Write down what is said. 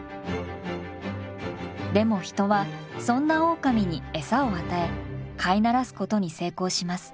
でも人はそんなオオカミにエサを与え飼い慣らすことに成功します。